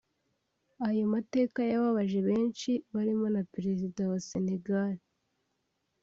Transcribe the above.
Ayo mateka yababaje benshi barimo na Perezida wa Sénégal